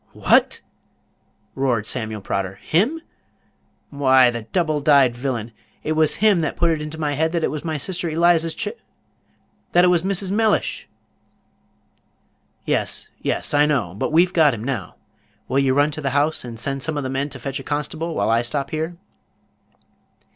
"WHAT?" roared Samuel Prodder; "him! Why, the double dyed villain, it was him that put it into my head that it was my sister Eliza's chi that it was Mrs. Mellish " "Yes, yes, I know. But we've got him now. Will you run to the house, and send some of the men to fetch a constable, while I stop here?"